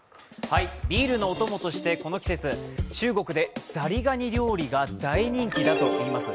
ビールのお供としてこの季節中国でザリガニ料理が大人気だといいます。